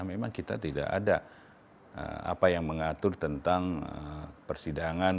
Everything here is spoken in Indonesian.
memang kita tidak ada apa yang mengatur tentang persidangan